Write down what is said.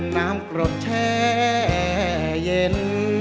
น้ำกรดแช่เย็น